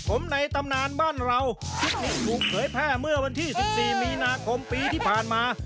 ผมในตำนานบ้านเราคลิปนี้ถูกเผยแพร่เมื่อวันที่๑๔มีนาคมปีที่ผ่านมา